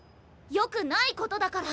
よくないことだから！